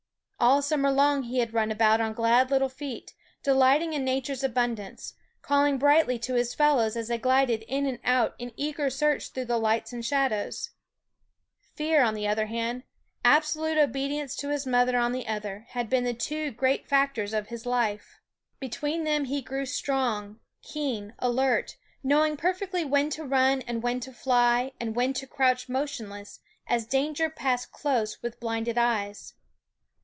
All summer long he had run about on glad little feet, delighting in nature's abundance, calling brightly to his fellows as they glided in and out in eager search through the lights and shadows. Fear on the one hand, abso lute obedience to his mother on the other had been the two great factors of his life. ^ SCHOOL OF i g Between them he grew strong, keen, alert, 77ie7>artr/dges* knowin perfectly when to run and when to ~RoH Call fly and when to crouch motionless, as danger passed close with blinded eyes.